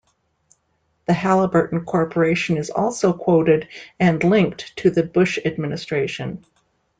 The Halliburton corporation is also quoted and linked to the Bush administration.